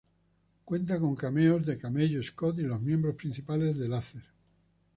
Cuenta con cameos de Cabello, Scott y los miembros principales de Lazer.